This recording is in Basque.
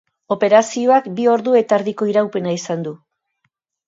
Operazioak bi ordu eta erdiko iraupena izan du.